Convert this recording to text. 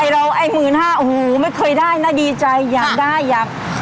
เราไอ้๑๕๐๐โอ้โหไม่เคยได้นะดีใจอยากได้อยาก